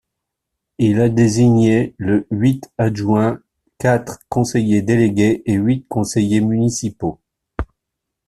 Il a désigné le huit adjoints, quatre conseillers délégués et huit conseillers municipaux.